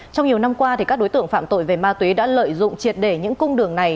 trong nhiều năm qua các đối tượng phạm tội về ma túy đã lợi dụng triệt để những cung đường này